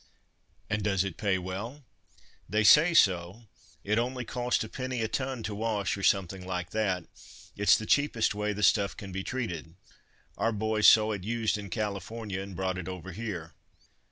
"And does it pay well?" "They say so. It only costs a penny a ton to wash, or something like that. It's the cheapest way the stuff can be treated. Our boys saw it used in California, and brought it over here."